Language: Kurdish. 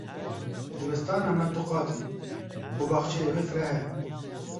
Dibistana me du qat in û baxçeyê wê fireh e.